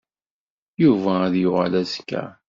Yuba ad d-yuɣal azekka.